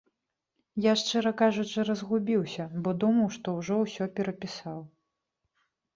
Я шчыра кажучы разгубіўся, бо думаў, што ўжо ўсё перапісаў.